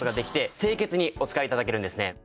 清潔にお使い頂けるんですね。